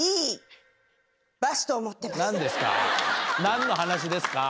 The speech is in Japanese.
何ですか？